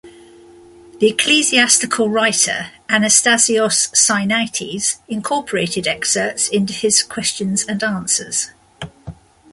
The ecclesiastical writer Anastasios Sinaites incorporated excerpts into his "Questions and Answers".